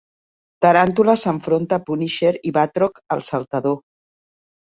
Taràntula s'enfronta a Punisher i Batroc el Saltador.